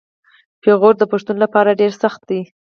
پېغور د پښتون لپاره ډیر سخت دی.